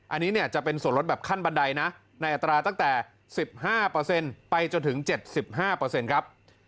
อันนี้เนี่ยจะเป็นส่วนลดแบบขั้นบันไดนะในอัตราตั้งแต่๑๕ไปจนถึง๗๕ครับ